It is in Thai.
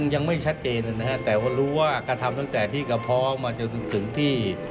ยังไม่ชัดเจนนะฮะแต่ว่ารู้ว่ากระทำตั้งแต่ที่กระเพาะมาจนถึงที่